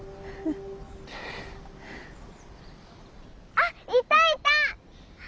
あっいたいた！